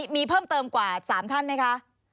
มีเพิ่มเติมกว่า๓ท่านไหมคะ